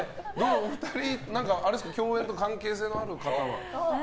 お二人と共演など関係性のある方は？